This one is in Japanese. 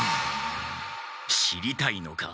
知りたいのか？